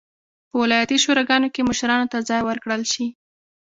په ولایتي شوراګانو کې مشرانو ته ځای ورکړل شي.